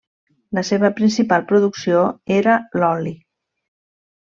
La seva principal producció era l'oli.